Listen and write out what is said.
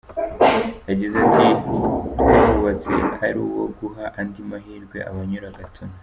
Yagize ati “Twawubatse ari uwo guha andi mahirwe abanyura Gatuna.